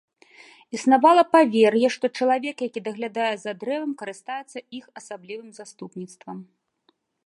Існавала павер'е, што чалавек, які даглядае за дрэвам, карыстаецца іх асаблівым заступніцтвам.